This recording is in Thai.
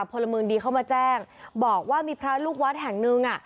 พลเมืองดีเข้ามาแจ้งบอกว่ามีพระลูกวัดแห่งหนึ่งอ่ะ